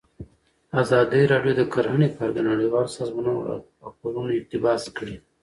ازادي راډیو د کرهنه په اړه د نړیوالو سازمانونو راپورونه اقتباس کړي.